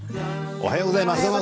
おはようございます。